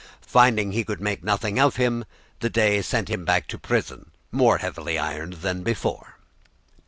Finding he could make nothing of him, the Dey sent him back to prison more heavily ironed than before.